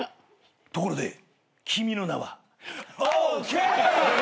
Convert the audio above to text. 「ところで君の名は？」ＯＫ！